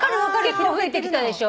結構増えてきたでしょ。